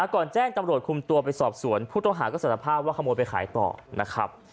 แจ้งตำรวจคุมตัวไปสอบสวนผู้ต้องหาก็สารภาพว่าขโมยไปขายต่อนะครับ